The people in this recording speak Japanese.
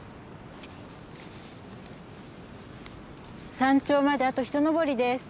山頂まであと一登りです。